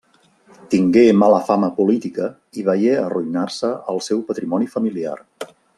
Tingué mala fama política i veié arruïnar-se el seu patrimoni familiar.